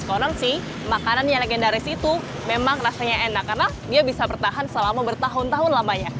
konon sih makanan yang legendaris itu memang rasanya enak karena dia bisa bertahan selama bertahun tahun lamanya